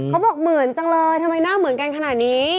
เขาบอกเหมือนจังเลยทำไมหน้าเหมือนกันขนาดนี้